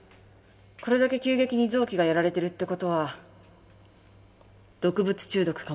これだけ急激に臓器がやられてるってことは毒物中毒かも。